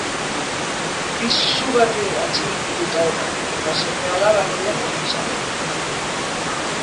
Izugarri atsegin ditut haurrak eta seme-alaba gehiago izan nahi ditut.